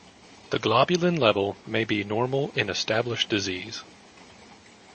The globulin level may be normal in established disease.